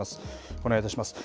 お願いいたします。